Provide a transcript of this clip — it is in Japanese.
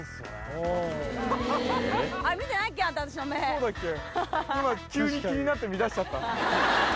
そうだっけ？